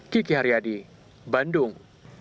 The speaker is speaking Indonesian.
kiki haryadi bandung